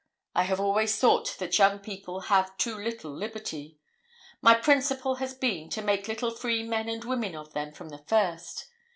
I have always thought that young people have too little liberty. My principle has been to make little free men and women of them from the first.